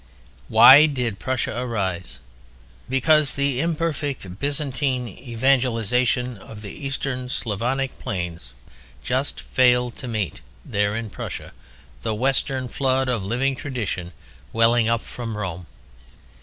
Why did Prussia arise? Because the imperfect Byzantine evangelization of the Eastern Slavonic Plains just failed to meet, there in Prussia, the western flood of living tradition welling up from Rome.